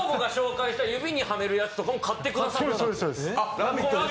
「ラヴィット！」です。